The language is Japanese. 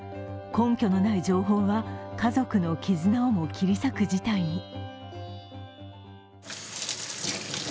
根拠のない情報は家族の絆をも切り裂く事態に。